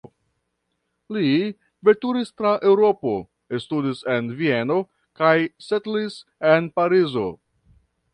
Li veturis tra Eŭropo, studis en Vieno kaj setlis en Parizo.